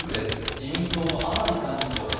自民党の甘利幹事長です。